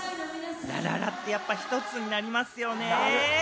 『ら・ら・ら』って、やっぱり一つになりますよね！